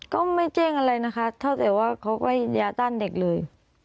ก็ไม่แจ้งอะไรนะคะเท่าแต่ว่าเขาก็ยาต้านเด็กเลย